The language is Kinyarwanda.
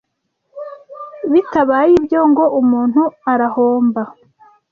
bitabaye ibyo ngo umuntu arahomba.